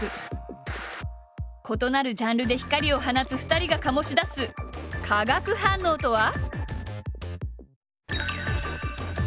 異なるジャンルで光を放つ２人が醸し出す化学反応とは？